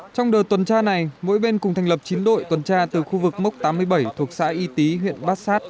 trong đợt tuần tra này mỗi bên cùng thành lập chín đội tuần tra từ khu vực mốc tám mươi bảy thuộc xã y tý huyện bát sát